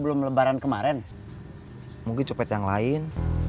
kalau kita ketangkep kita harus ketangkep